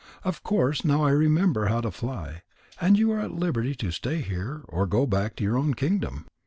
Of course now I remember how to fly. And you are at liberty to stay here, or to go back to your own kingdom."